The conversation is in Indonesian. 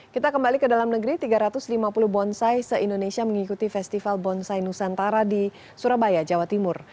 kita kembali ke dalam negeri tiga ratus lima puluh bonsai se indonesia mengikuti festival bonsai nusantara di surabaya jawa timur